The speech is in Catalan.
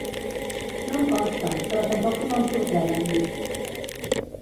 No em consta, però tampoc no em sorprèn, ha dit.